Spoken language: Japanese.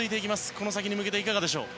この先に向けていかがでしょう。